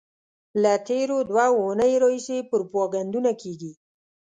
له تېرو دوو اونیو راهیسې پروپاګندونه کېږي.